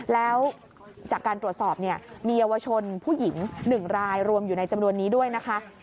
แล้วจากการตรวจสอบเนี่ยมีเยาวชนผู้หญิง๑รายรวมอยู่ในจำนวนนี้ด้วยนะคะ